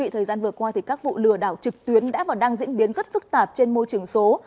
thời gian vừa qua các vụ lừa đảo trực tuyến đã và đang diễn biến rất phức tạp trên môi trường số